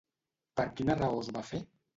Per quina raó es va fer?